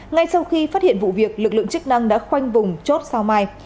ngay sau khi phát hiện vụ việc lực lượng chức năng đã khoanh vùng chốt sao mai